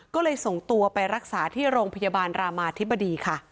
ก็เลยส่งตัวไปรักษาที่โรงพยาบาลรามาธิบดีค่ะ